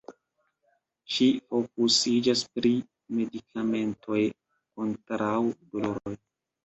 Ŝi fokusiĝas pri medikamentoj kontraŭ doloroj.